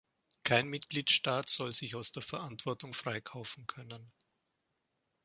Kein Mitgliedstaat soll sich aus der Verantwortung freikaufen können.